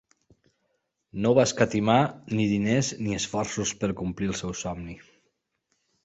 No va escatimar ni diners ni esforços per complir el seu somni.